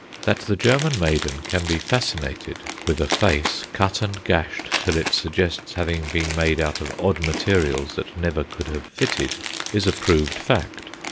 That the German maiden can be fascinated with a face, cut and gashed till it suggests having been made out of odd materials that never could have fitted, is a proved fact.